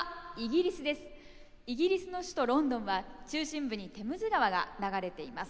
イギリスの首都ロンドンは中心部にテムズ川が流れています。